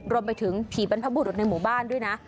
รวมไปถึงผีบรรพบุรุษในหมู่บ้านด้วยนะ